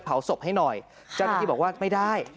เผาศพให้หน่อยเจ้าหน้าที่บอกว่าไม่ได้